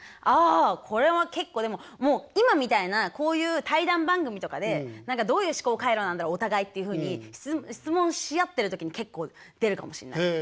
あこれは結構でももう今みたいなこういう対談番組とかで何かどういう思考回路なんだろうお互いっていうふうに質問し合ってる時に結構出るかもしんない。